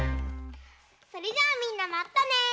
それじゃあみんなまたね！